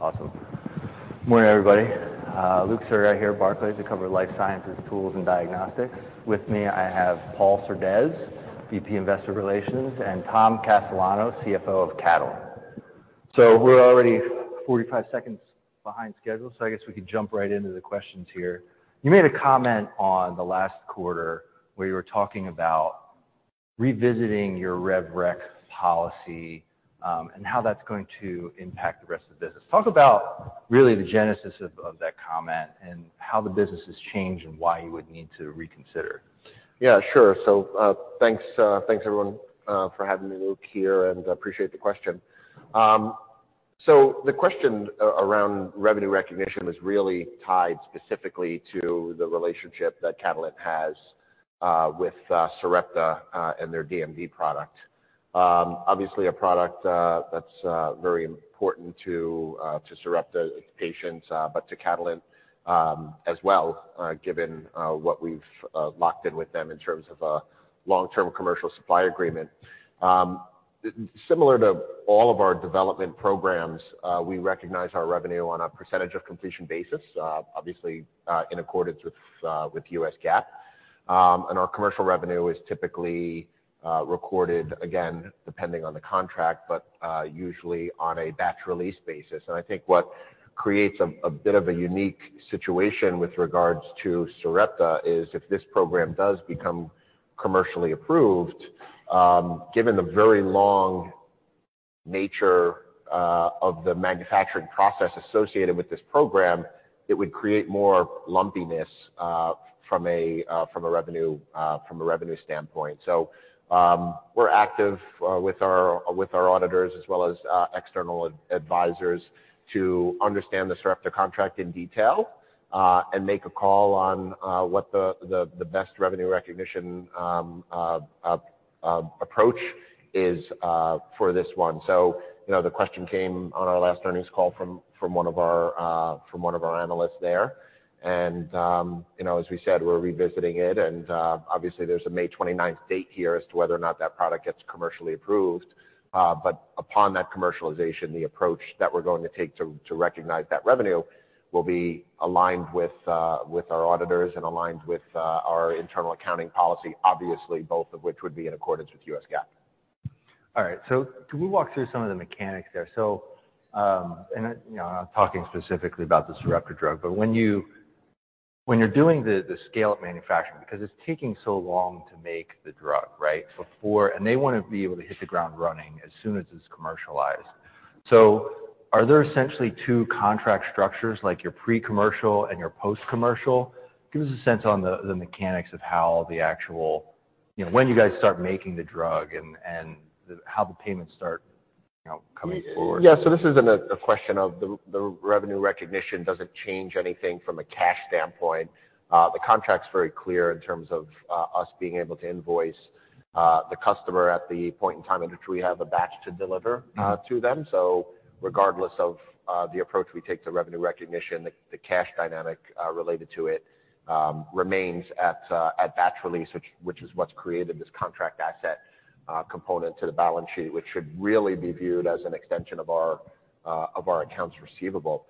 Awesome. Morning, everybody. Luke Sergott here at Barclays. I cover life sciences, tools, and diagnostics. With me, I have Paul Surdez, VP Investor Relations, and Thomas Castellano, CFO of Catalent. We're already 45 seconds behind schedule, so I guess we could jump right into the questions here. You made a comment on the last quarter where you were talking about revisiting your rev rec policy, and how that's going to impact the rest of the business. Talk about really the genesis of that comment and how the business has changed and why you would need to reconsider. Yeah, sure. Thanks, thanks, everyone, for having me, Luke, here, and I appreciate the question. The question around revenue recognition was really tied specifically to the relationship that Catalent has with Sarepta and their DMD product. Obviously a product that's very important to Sarepta patients, but to Catalent as well, given what we've locked in with them in terms of a long-term commercial supply agreement. Similar to all of our development programs, we recognize our revenue on a percentage of completion basis, obviously, in accordance with U.S. GAAP. Our commercial revenue is typically recorded again, depending on the contract, but usually on a batch release basis. I think what creates a bit of a unique situation with regards to Sarepta is if this program does become commercially approved, given the very long nature of the manufacturing process associated with this program, it would create more lumpiness from a revenue standpoint. We're active with our auditors as well as external advisors to understand the Sarepta contract in detail and make a call on what the best revenue recognition approach is for this one. You know, the question came on our last earnings call from one of our analysts there. You know, as we said, we're revisiting it. Obviously there's a May 29th date here as to whether or not that product gets commercially approved. Upon that commercialization, the approach that we're going to take to recognize that revenue will be aligned with our auditors and aligned with our internal accounting policy, obviously, both of which would be in accordance with U.S. GAAP. All right. Can we walk through some of the mechanics there? You know, talking specifically about the Sarepta drug, but when you're doing the scale-up manufacturing, because it's taking so long to make the drug, right, before. They want to be able to hit the ground running as soon as it's commercialized. Are there essentially two contract structures like your pre-commercial and your post-commercial? Give us a sense on the mechanics of how the actual, you know, when you guys start making the drug and how the payments start, you know, coming forward. This isn't a question of the revenue recognition doesn't change anything from a cash standpoint. The contract's very clear in terms of us being able to invoice the customer at the point in time in which we have a batch to deliver to them. Regardless of the approach we take to revenue recognition, the cash dynamic related to it remains at batch release, which is what's created this contract asset component to the balance sheet, which should really be viewed as an extension of our accounts receivable.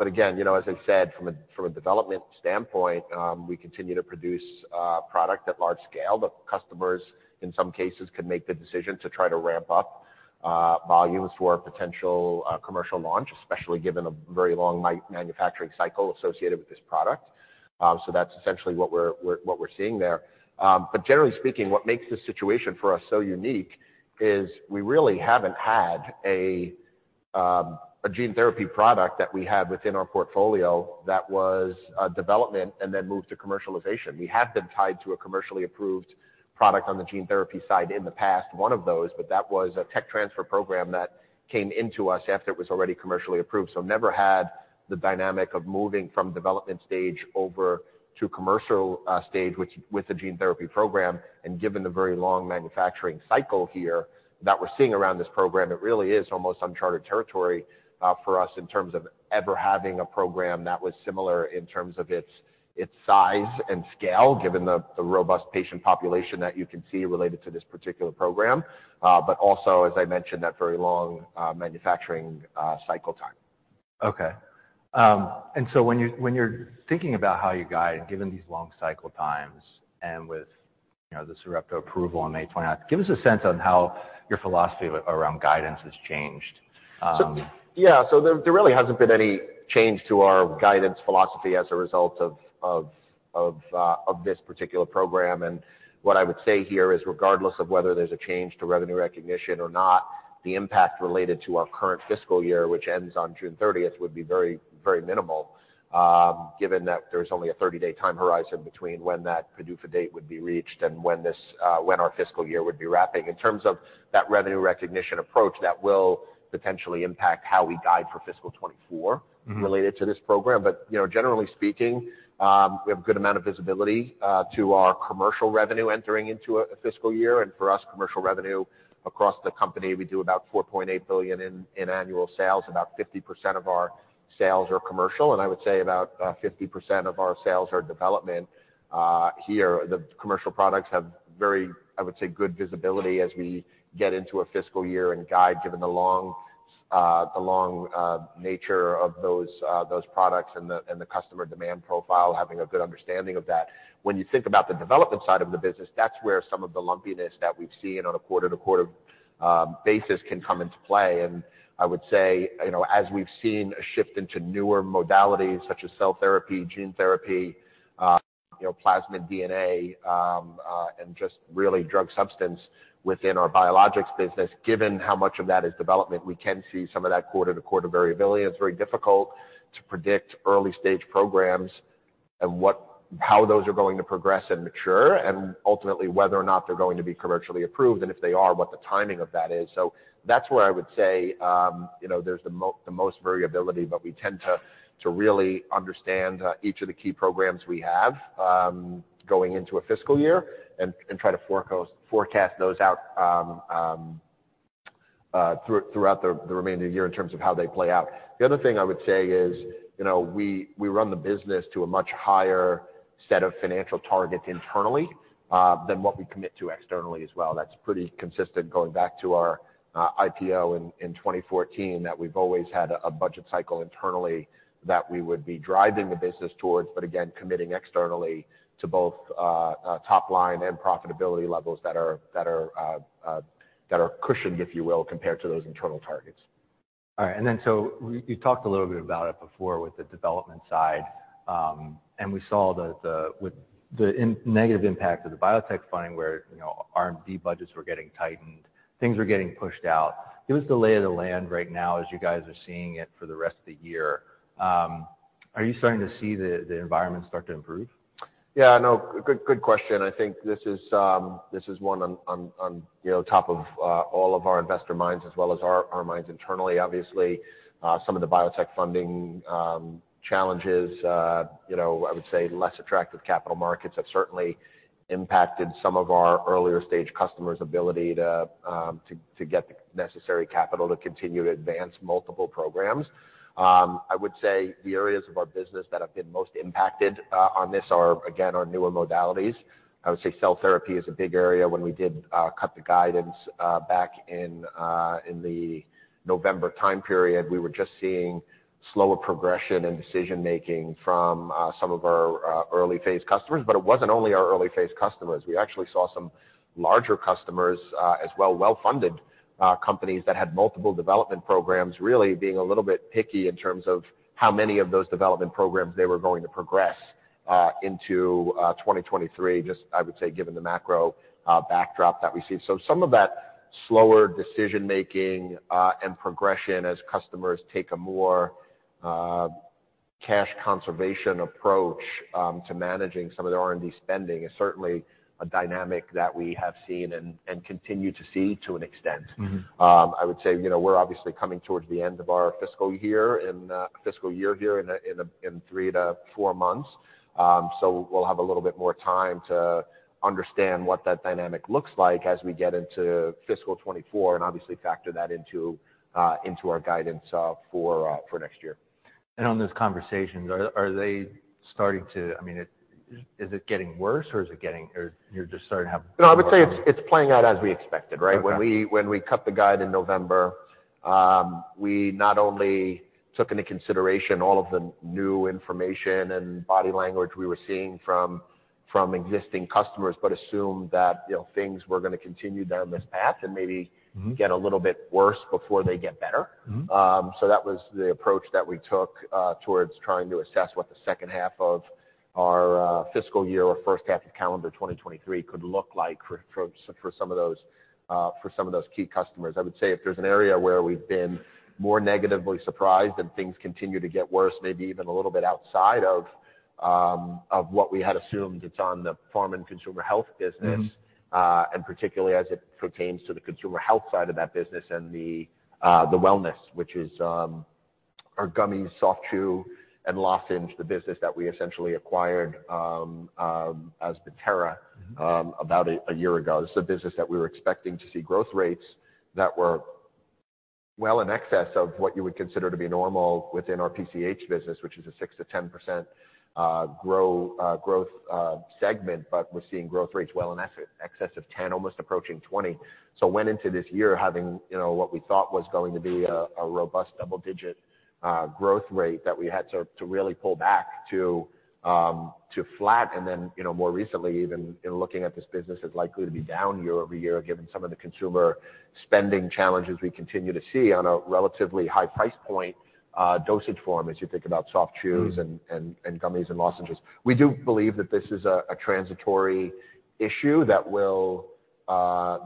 Again, you know, as I said, from a development standpoint, we continue to produce product at large scale, but customers in some cases could make the decision to try to ramp up volumes for a potential commercial launch, especially given a very long manufacturing cycle associated with this product. That's essentially what we're seeing there. Generally speaking, what makes this situation for us so unique is we really haven't had a gene therapy product that we had within our portfolio that was development and then moved to commercialization. We have been tied to a commercially approved product on the gene therapy side in the past, one of those, but that was a tech transfer program that came into us after it was already commercially approved. Never had the dynamic of moving from development stage over to commercial stage, which with the gene therapy program, and given the very long manufacturing cycle here that we're seeing around this program, it really is almost unchartered territory for us in terms of ever having a program that was similar in terms of its size and scale, given the robust patient population that you can see related to this particular program. Also, as I mentioned, that very long manufacturing cycle time. Okay. When you, when you're thinking about how you guide, given these long cycle times and with, you know, the Sarepta approval on May 29th, give us a sense on how your philosophy around guidance has changed. Yeah. There really hasn't been any change to our guidance philosophy as a result of this particular program. What I would say here is, regardless of whether there's a change to revenue recognition or not, the impact related to our current fiscal year, which ends on June 30th, would be very minimal, given that there's only a 30-day time horizon between when that PDUFA date would be reached and when this, when our fiscal year would be wrapping. In terms of that revenue recognition approach, that will potentially impact how we guide for fiscal 2024. Mm-hmm. related to this program. You know, generally speaking, we have a good amount of visibility to our commercial revenue entering into a fiscal year. For us, commercial revenue across the company, we do about $4.8 billion in annual sales. About 50% of our sales are commercial, and I would say about 50% of our sales are development. Here the commercial products have very, I would say, good visibility as we get into a fiscal year and guide given the long, the long nature of those products and the customer demand profile, having a good understanding of that. When you think about the development side of the business, that's where some of the lumpiness that we've seen on a quarter-to-quarter basis can come into play. I would say, you know, as we've seen a shift into newer modalities such as cell therapy, gene therapy, you know, plasmid DNA, and just really drug substance within our biologics business, given how much of that is development, we can see some of that quarter-to-quarter variability. It's very difficult to predict early stage programs and how those are going to progress and mature, and ultimately whether or not they're going to be commercially approved, and if they are, what the timing of that is. That's where I would say, you know, there's the most variability. We tend to really understand each of the key programs we have going into a fiscal year and try to forecast those out throughout the remainder of the year in terms of how they play out. The other thing I would say is, you know, we run the business to a much higher set of financial targets internally than what we commit to externally as well. That's pretty consistent going back to our IPO in 2014, that we've always had a budget cycle internally that we would be driving the business towards, but again, committing externally to both top line and profitability levels that are cushioned, if you will, compared to those internal targets. Right. You talked a little bit about it before with the development side, and we saw the negative impact of the biotech funding where, you know, R&D budgets were getting tightened, things were getting pushed out. Give us the lay of the land right now as you guys are seeing it for the rest of the year. Are you starting to see the environment start to improve? Yeah, no. Good, good question. I think this is, this is one on, you know, top of all of our investor minds as well as our minds internally, obviously. Some of the biotech funding challenges, you know, I would say less attractive capital markets have certainly impacted some of our earlier stage customers' ability to get the necessary capital to continue to advance multiple programs. I would say the areas of our business that have been most impacted on this are, again, our newer modalities. I would say cell therapy is a big area. When we did cut the guidance back in the November time period, we were just seeing slower progression and decision-making from some of our early phase customers. It wasn't only our early phase customers. We actually saw some larger customers, as well, well-funded companies that had multiple development programs really being a little bit picky in terms of how many of those development programs they were going to progress into 2023, just I would say, given the macro backdrop that we see. Some of that slower decision-making and progression as customers take a more cash conservation approach to managing some of their R&D spending is certainly a dynamic that we have seen and continue to see to an extent. Mm-hmm. I would say, you know, we're obviously coming towards the end of our fiscal year here in three-four months. We'll have a little bit more time to understand what that dynamic looks like as we get into fiscal 2024 and obviously factor that into our guidance for next year. on those conversations, are they starting to... I mean, is it getting worse or you're just starting to have more-? I would say it's playing out as we expected, right? Okay. When we cut the guide in November, we not only took into consideration all of the new information and body language we were seeing from existing customers, but assumed that, you know, things were gonna continue down this path and maybe... Mm-hmm get a little bit worse before they get better. Mm-hmm. That was the approach that we took towards trying to assess what the H2 of our fiscal year or first half of calendar 2023 could look like for some of those, for some of those key customers. I would say if there's an area where we've been more negatively surprised and things continue to get worse, maybe even a little bit outside of what we had assumed, it's on the pharma and consumer health business. Mm-hmm. Particularly as it pertains to the consumer health side of that business and the wellness, which is our gummies, soft chew, and lozenge, the business that we essentially acquired as Bettera. Mm-hmm... Bout a year ago. This is a business that we were expecting to see growth rates that were well in excess of what you would consider to be normal within our PCH business, which is a 6%-10% growth segment. We're seeing growth rates well in excess of 10, almost approaching 20. Went into this year having, you know, what we thought was going to be a robust double-digit growth rate that we had to really pull back to flat. You know, more recently, even in looking at this business, it's likely to be down year-over-year given some of the consumer spending challenges we continue to see on a relatively high price point dosage form as you think about soft chews. Mm-hmm... and gummies and lozenges. We do believe that this is a transitory issue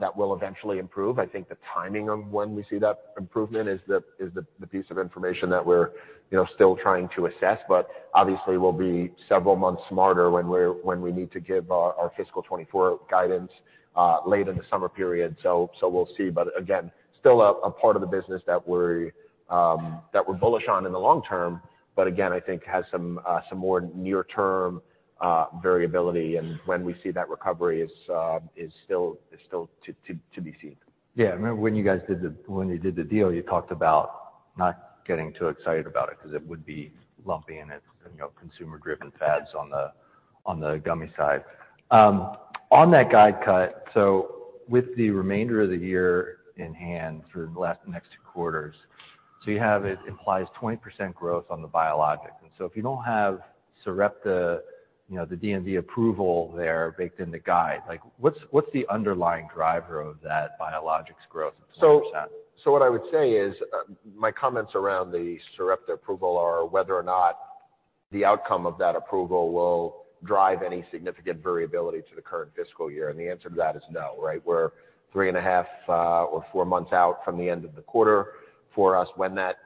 that will eventually improve. I think the timing of when we see that improvement is the piece of information that we're, you know, still trying to assess, but obviously we'll be several months smarter when we need to give our fiscal 2024 guidance late in the summer period. We'll see. Again, still a part of the business that we're bullish on in the long term, but again, I think has some more near term variability. When we see that recovery is still to be seen. Yeah. I remember when you guys did the deal, you talked about not getting too excited about it 'cause it would be lumpy and it's, you know, consumer-driven fads on the, on the gummy side. On that guide cut, so with the remainder of the year in hand for the last next quarters, so you have it implies 20% growth on the biologics. If you don't have Sarepta, you know, the DMD approval there baked in the guide, like what's the underlying driver of that biologics growth at 20%? What I would say is, my comments around the Sarepta approval are whether or not the outcome of that approval will drive any significant variability to the current fiscal year. The answer to that is no, right? We're 3/2 or four months out from the end of the quarter for us. When that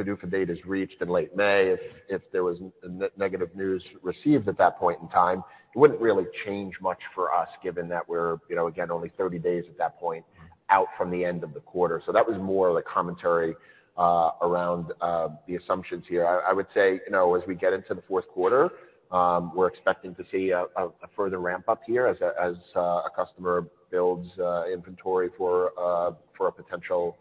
PDUFA date is reached in late May, if there was negative news received at that point in time, it wouldn't really change much for us, given that we're, you know, again, only 30 days at that point out from the end of the quarter. That was more the commentary around the assumptions here. I would say, you know, as we get into the Q4, we're expecting to see a further ramp-up here as a customer builds inventory for a potential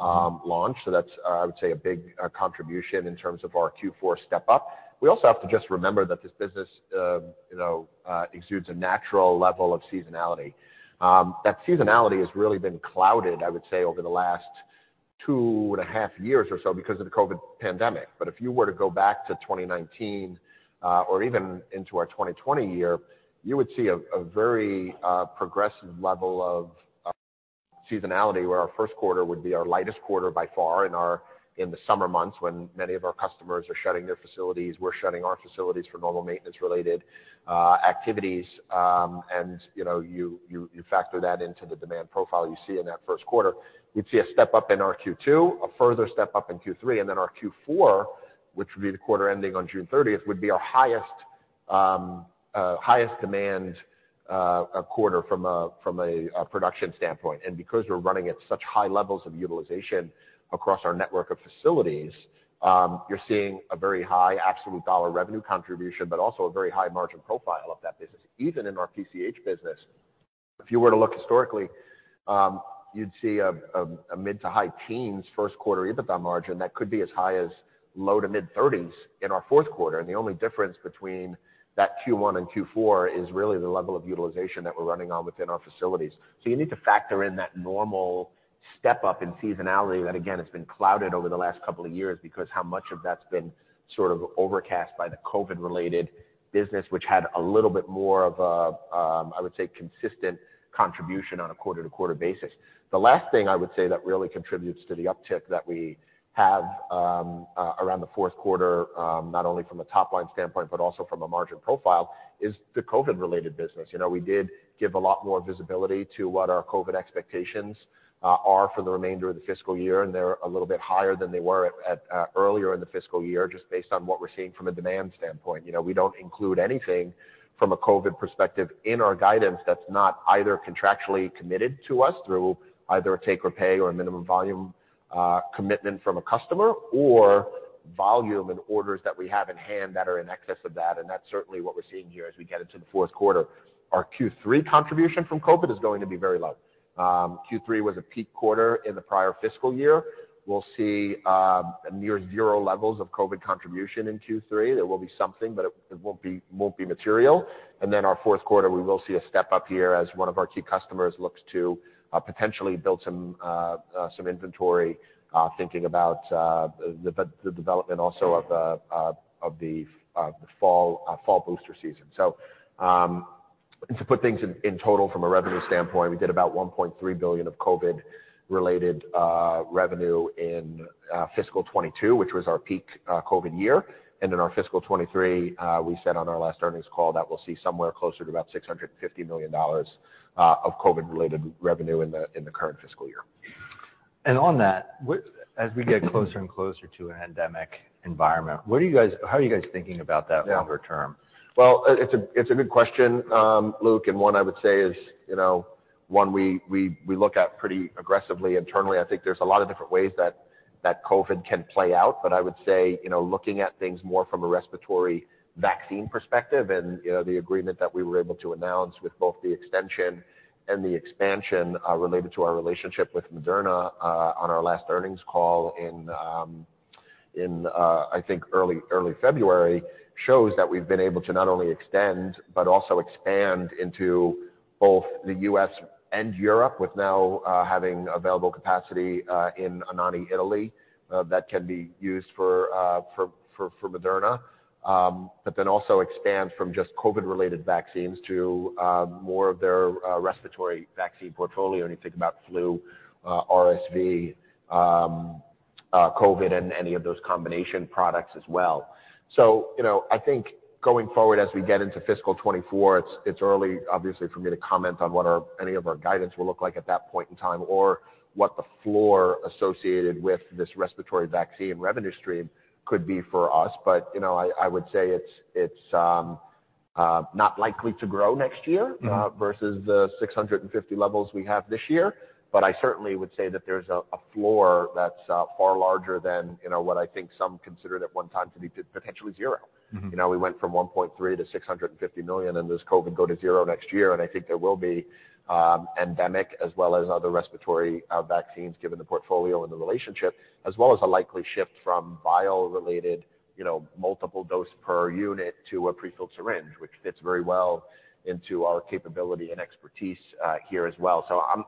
launch. That's I would say a big contribution in terms of our Q4 step-up. We also have to just remember that this business, you know, exudes a natural level of seasonality. That seasonality has really been clouded, I would say, over the last two and a half years or so because of the COVID pandemic. If you were to go back to 2019, or even into our 2020 year, you would see a very progressive level of seasonality, where our Q1 would be our lightest quarter by far in the summer months when many of our customers are shutting their facilities, we're shutting our facilities for normal maintenance-related activities. You know, you factor that into the demand profile you see in that Q1. You'd see a step-up in our Q2, a further step-up in Q3, our Q4, which would be the quarter ending on June 30th, would be our highest highest demand quarter from a production standpoint. Because we're running at such high levels of utilization across our network of facilities, you're seeing a very high absolute $ revenue contribution, but also a very high margin profile of that business. Even in our PCH business, if you were to look historically, you'd see a mid-to-high teens% Q1 EBITDA margin that could be as high as low-to-mid 30s% in our Q4. The only difference between that Q1 and Q4 is really the level of utilization that we're running on within our facilities. You need to factor in that normal step-up in seasonality that again, has been clouded over the last couple of years because how much of that's been sort of overcast by the COVID-related business, which had a little bit more of a, I would say, consistent contribution on a quarter-to-quarter basis. The last thing I would say that really contributes to the uptick that we have around the Q4, not only from a top-line standpoint but also from a margin profile, is the COVID-related business. You know, we did give a lot more visibility to what our COVID expectations are for the remainder of the fiscal year, and they're a little bit higher than they were at earlier in the fiscal year, just based on what we're seeing from a demand standpoint. You know, we don't include anything from a COVID perspective in our guidance that's not either contractually committed to us through either a take or pay or a minimum volume commitment from a customer or volume and orders that we have in-hand that are in excess of that. That's certainly what we're seeing here as we get into the Q4. Our Q3 contribution from COVID is going to be very low. Q3 was a peak quarter in the prior fiscal year. We'll see near zero levels of COVID contribution in Q3. There will be something, but it won't be material. Our Q4, we will see a step-up here as one of our key customers looks to potentially build some inventory, thinking about the development also of the fall booster season. To put things in total from a revenue standpoint, we did about $1.3 billion of COVID-related revenue in fiscal 2022, which was our peak COVID year. In our fiscal 2023, we said on our last earnings call that we'll see somewhere closer to about $650 million of COVID-related revenue in the current fiscal year. On that, as we get closer and closer to an endemic environment, how are you guys thinking about that longer term? Well, it's a good question, Luke, and one I would say is, you know, one we look at pretty aggressively internally. I think there's a lot of different ways that COVID can play out. But I would say, you know, looking at things more from a respiratory vaccine perspective and, you know, the agreement that we were able to announce with both the extension and the expansion related to our relationship with Moderna on our last earnings call in, I think early February, shows that we've been able to not only extend but also expand into both the U.S. and Europe with now having available capacity in Anagni, Italy, that can be used for Moderna. Also expand from just COVID-related vaccines to more of their respiratory vaccine portfolio when you think about flu, RSV, COVID and any of those combination products as well. You know, I think going forward as we get into fiscal 2024, it's early, obviously, for me to comment on what any of our guidance will look like at that point in time or what the floor associated with this respiratory vaccine revenue stream could be for us. You know, I would say it's not likely to grow next year. Mm-hmm versus the $650 levels we have this year. I certainly would say that there's a floor that's far larger than, you know, what I think some considered at one time to be potentially zero. Mm-hmm. You know, we went from $1.3-$650 million, Does COVID go to zero next year? I think there will be endemic as well as other respiratory vaccines given the portfolio and the relationship, as well as a likely shift from vial-related, you know, multiple dose per unit to a prefilled syringe, which fits very well into our capability and expertise here as well.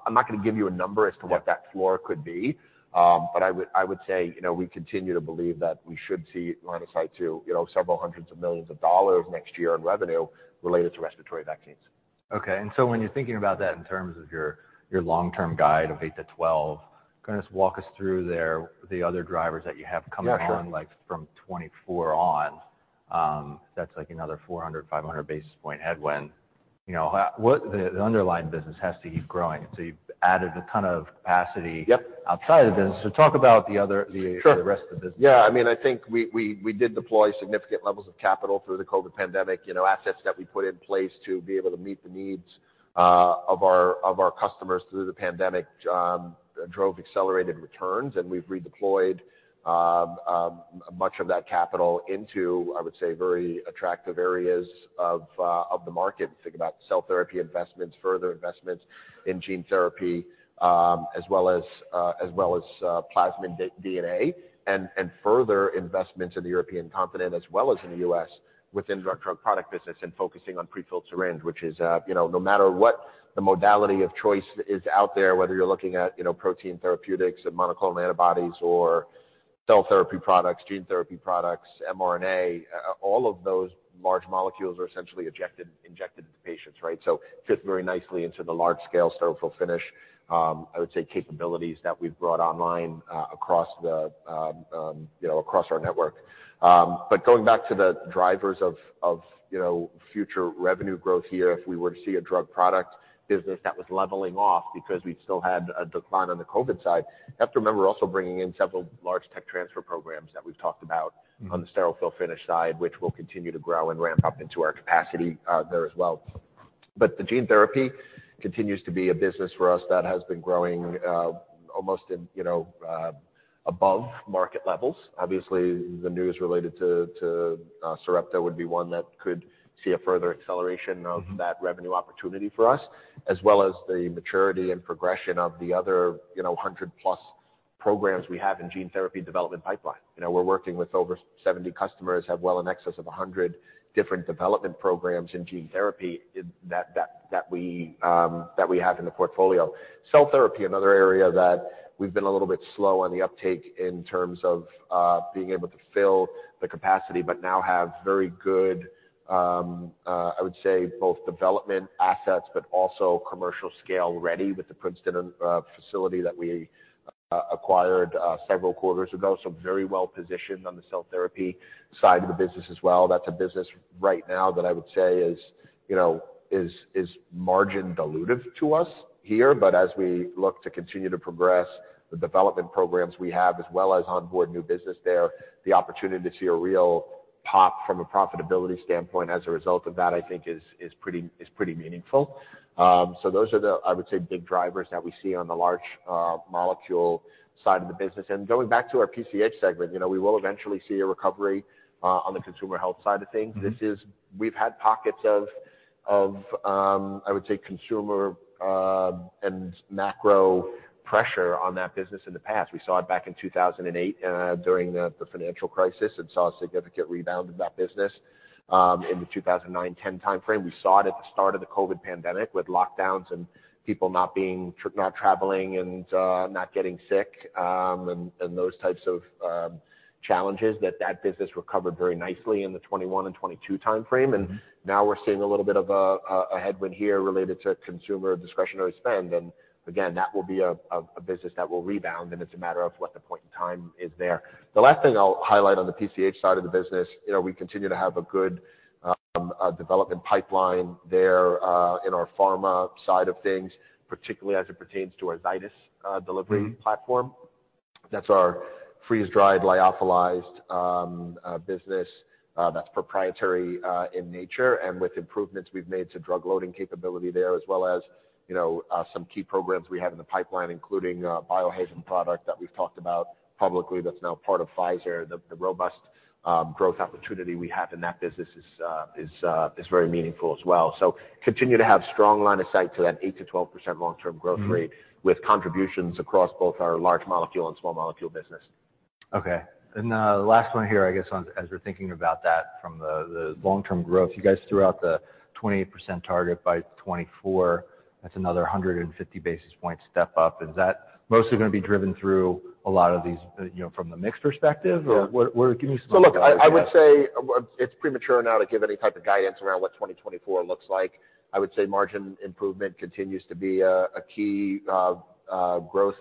I'm not gonna give you a number as to what that floor could be. But I would say, you know, we continue to believe that we should see line of sight to, you know, several $100 million next year in revenue related to respiratory vaccines. Okay. When you're thinking about that in terms of your long-term guide of 8%-12%, kinda just walk us through there, the other drivers that you have coming on? Yeah, sure. Like from 2024 on, that's like another 400-500 basis point headwind. You know, the underlying business has to keep growing. You've added a ton of capacity. Yep ...outside of this. Talk about the other, Sure the rest of the business. Yeah, I mean, I think we did deploy significant levels of capital through the COVID pandemic, you know, assets that we put in place to be able to meet the needs of our customers through the pandemic, drove accelerated returns. We've redeployed much of that capital into, I would say, very attractive areas of the market. Think about cell therapy investments, further investments in gene therapy, as well as well as plasmid DNA and further investments in the European continent as well as in the U.S. within drug product business and focusing on prefilled syringe, which is, you know, no matter what the modality of choice is out there, whether you're looking at, you know, protein therapeutics and monoclonal antibodies or cell therapy products, gene therapy products, mRNA, all of those large molecules are essentially injected into patients, right? fits very nicely into the large scale sterile fill finish, I would say capabilities that we've brought online across the, you know, across our network. Going back to the drivers of, you know, future revenue growth here, if we were to see a drug product business that was leveling off because we still had a decline on the COVID side, you have to remember we're also bringing in several large tech transfer programs that we've talked about. Mm-hmm ...on the sterile fill finish side, which will continue to grow and ramp up into our capacity there as well. The gene therapy continues to be a business for us that has been growing, almost in, you know, above market levels. Obviously, the news related to Sarepta would be one that could see a further acceleration. Mm-hmm ...that revenue opportunity for us, as well as the maturity and progression of the other, you know, 100+ programs we have in gene therapy development pipeline. You know, we're working with over 70 customers, have well in excess of 100 different development programs in gene therapy that we have in the portfolio. Cell therapy, another area that we've been a little bit slow on the uptake in terms of being able to fill the capacity, but now have very good, I would say both development assets, but also commercial scale ready with the Princeton facility that we acquired several quarters ago. Very well-positioned on the cell therapy side of the business as well. That's a business right now that I would say is, you know, is margin dilutive to us here. As we look to continue to progress the development programs we have as well as onboard new business there, the opportunity to see a real pop from a profitability standpoint as a result of that, I think is pretty meaningful. Those are the, I would say, big drivers that we see on the large molecule side of the business. Going back to our PCH segment, you know, we will eventually see a recovery on the consumer health side of things. Mm-hmm. We've had pockets of, I would say consumer, and macro pressure on that business in the past. We saw it back in 2008, during the financial crisis and saw a significant rebound in that business, in the 2009-2010 timeframe. We saw it at the start of the COVID pandemic with lockdowns and people not traveling and not getting sick, and those types of challenges that that business recovered very nicely in the 2021 and 2022 timeframe. Mm-hmm. Now we're seeing a little bit of a headwind here related to consumer discretionary spend. Again, that will be a business that will rebound, and it's a matter of what the point in time is there. The last thing I'll highlight on the PCH side of the business, you know, we continue to have a good development pipeline there, in our pharma side of things, particularly as it pertains to our Zydis delivery platform. Mm-hmm. That's our freeze-dried lyophilized business that's proprietary in nature. With improvements we've made to drug loading capability there, as well as, you know, some key programs we have in the pipeline, including Biohaven product that we've talked about publicly that's now part of Pfizer. The robust growth opportunity we have in that business is very meaningful as well. Continue to have strong line of sight to that 8%-12% long-term growth rate. Mm-hmm ...with contributions across both our large molecule and small molecule business. Okay. The last one here, I guess as we're thinking about that from the long-term growth, you guys threw out the 28% target by 2024. That's another 150 basis point step-up. Is that mostly gonna be driven through a lot of these, you know, from the mix perspective? Or what, give me some? Look, I would say it's premature now to give any type of guidance around what 2024 looks like. I would say margin improvement continues to be a key growth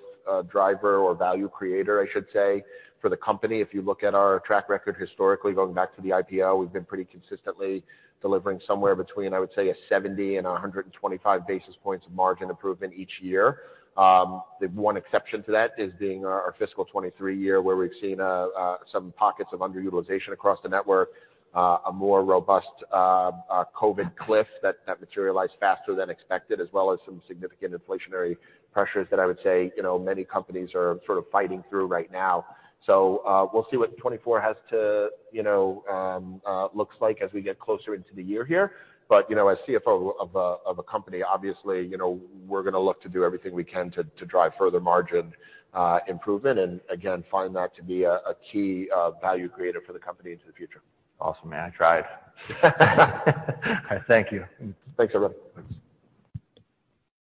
driver or value creator, I should say, for the company. If you look at our track record historically, going back to the IPO, we've been pretty consistently delivering somewhere between, I would say, a 70 and a 125 basis points of margin improvement each year. The one exception to that is being our fiscal 2023 year, where we've seen some pockets of underutilization across the network, a more robust COVID cliff that materialized faster than expected, as well as some significant inflationary pressures that I would say, you know, many companies are sort of fighting through right now. We'll see what 2024 has to, you know, looks like as we get closer into the year here. You know, as CFO of a company, obviously, you know, we're gonna look to do everything we can to drive further margin improvement and again, find that to be a key value creator for the company into the future. Awesome, man. I tried. All right, Thanks you. Thanks, everyone. Thanks.